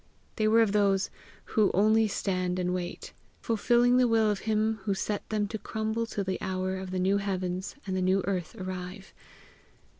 They were of those "who only stand and wait," fulfilling the will of him who set them to crumble till the hour of the new heavens and the new earth arrive.